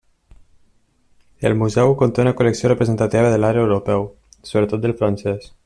El museu conté una col·lecció representativa de l'art europeu, sobretot del francès.